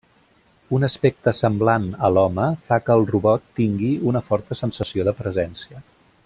Un aspecte semblant a l'home fa que el robot tingui una forta sensació de presència.